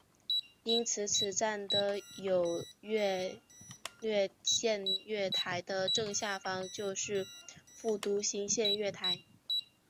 因此此站的有乐町线月台的正下方就是副都心线月台。